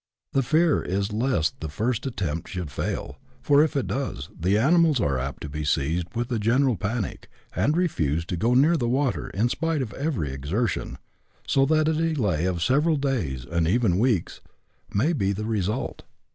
The fear is lest the first attempt should fail, for, if it does, the animals are apt to be seized with a general panic, and refuse to go near the water in spite of every exertion, so that a delay of several days, and even weeks, may be the result.